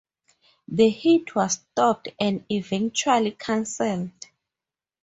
The heat was stopped and eventually canceled.